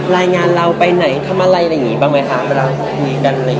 รายงานเราไปไหนทำอะไรอะไรอย่างนี้บ้างไหมคะเวลาคุยกันอะไรอย่างนี้